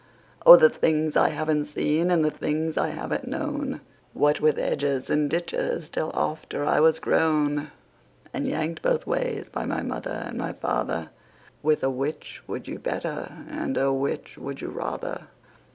Oh, the things I haven't seen and the things I haven't known, What with hedges and ditches till after I was grown, And yanked both ways by my mother and my father, With a 'Which would you better?" and a "Which would you rather?"